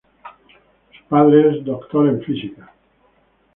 Su padre es un doctor en Física.